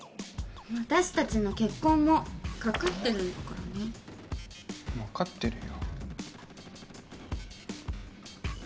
私達の結婚もかかってるんだからね分かってるよ